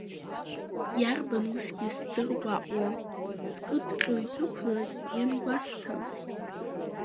Иарбан усгьы сзыргәаҟуа, скыдҟьо идәықәлаз, иангәасҭа?